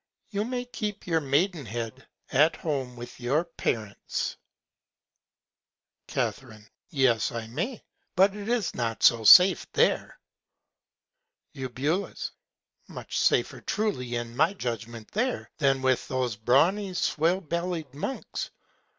You may keep your Maidenhead at Home with your Parents. Ca. Yes, I may, but it is not so safe there. Eu. Much safer truly in my Judgment there, than with those brawny, swill belly'd Monks.